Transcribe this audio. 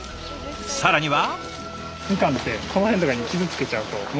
更には。